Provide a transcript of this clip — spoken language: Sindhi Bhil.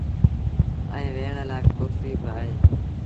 ائيٚݩ ويهڻ لآ ڪرسيٚݩ با اوهيݩ۔